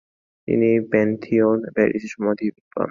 তিনি প্যান্থিওন, প্যারিসে সমাধি লাভ করেন।